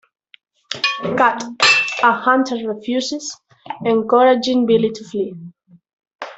Cat, a hunter refuses, encouraging Billy to flee.